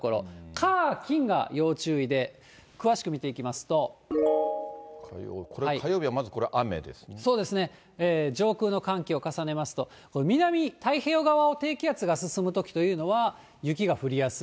火、金が要注意で、これ、そうですね、上空の寒気を重ねますと、南太平洋側を低気圧が進むときというのは、雪が降りやすい。